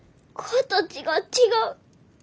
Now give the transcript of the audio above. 形が違う。